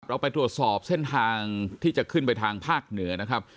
เราไปตรวจสอบเส้นทางที่จะขึ้นไปทางภาคเหนือนะครับ